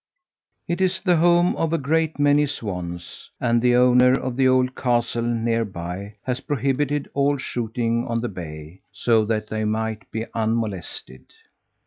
It is the home of a great many swans, and the owner of the old castle nearby has prohibited all shooting on the bay, so that they might be unmolested.